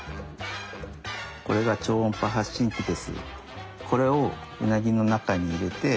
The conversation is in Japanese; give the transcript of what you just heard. これが超音波発信機です。